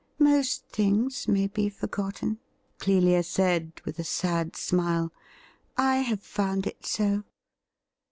' Most things may be forgotten,' Clelia said, with a sad smile. 'I have found it so.